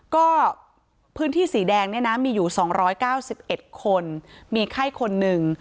ก็พื้นที่สีแดงเนี่ยนะมีอยู่๒๙๑คนมีไข้คนหนึ่ง